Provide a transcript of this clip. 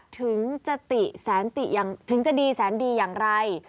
ถึงจะดีแสนดีอย่างไร